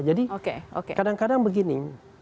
jadi kadang kadang begini